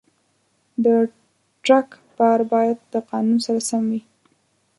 د ټرک بار باید د قانون سره سم وي.